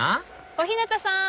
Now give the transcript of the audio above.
小日向さん！